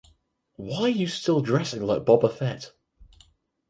Why are you still dressing like Boba Fett?